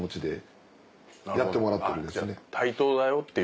対等だよっていう。